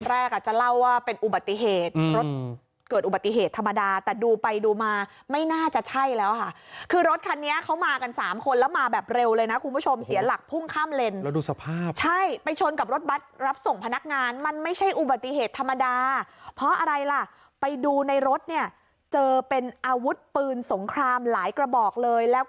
อาจจะเล่าว่าเป็นอุบัติเหตุรถเกิดอุบัติเหตุธรรมดาแต่ดูไปดูมาไม่น่าจะใช่แล้วค่ะคือรถคันนี้เขามากันสามคนแล้วมาแบบเร็วเลยนะคุณผู้ชมเสียหลักพุ่งข้ามเลนแล้วดูสภาพใช่ไปชนกับรถบัตรรับส่งพนักงานมันไม่ใช่อุบัติเหตุธรรมดาเพราะอะไรล่ะไปดูในรถเนี่ยเจอเป็นอาวุธปืนสงครามหลายกระบอกเลยแล้วก็